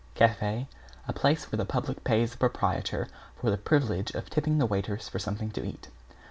=CAFE= A place where the public pays the proprietor for the privilege of tipping the waiters for something to eat.